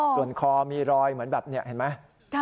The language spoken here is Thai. ส่วนคอมีรอยเหมือนแบบนี้เห็นไหม